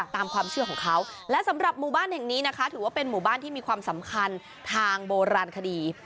ตามความเชื่อของเขาและสำหรับหมู่บ้านแห่งนี้นะคะถือว่าเป็นหมู่บ้านที่มีความสำคัญทางโบราณคดี